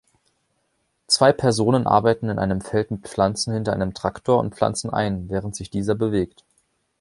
Zwei Personen arbeiten in einem Feld mit Pflanzen hinter einem Traktor und pflanzen ein, während sich dieser bewegt.